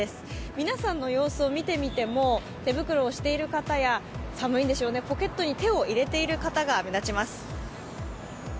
皆さんの様子を見てみても、手袋をしている方や、寒いんでしょうね、ポケットに手を入れている方が目立ちます。